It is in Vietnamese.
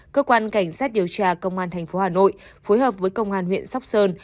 cơ quan cảnh sát điều tra công an tp hà nội phối hợp với công an huyện sóc sơn